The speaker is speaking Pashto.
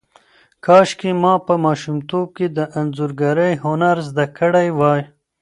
کاشکې ما په ماشومتوب کې د انځورګرۍ هنر زده کړی وای.